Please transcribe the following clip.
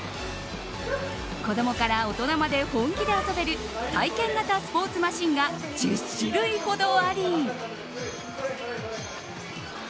子供から大人まで本気で遊べる体験型スポーツマシンが１０種類ほどあり。